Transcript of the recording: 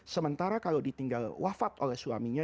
sementara kalau ditinggal wafat oleh suaminya